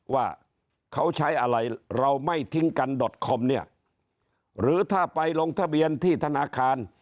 ว่าเขาใช้อะไรเราไม่ทิ้งกันดอตคอมเนี่ยหรือถ้าไปลงทะเบียนที่ธนาคาร